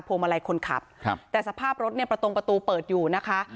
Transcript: มาลัยคนขับครับแต่สภาพรถเนี่ยประตงประตูเปิดอยู่นะคะ